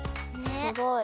すごい。